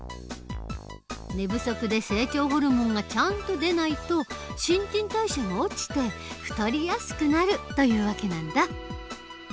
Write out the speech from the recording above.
寝不足で成長ホルモンがちゃんと出ないと新陳代謝が落ちて太りやすくなるという訳なんだ。